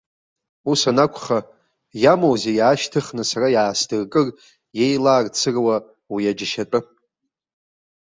Ус анакәха, иамоузеи иаашьҭыхны сара иаасдыркыр иеилаарцыруа уи аџьашьатәы!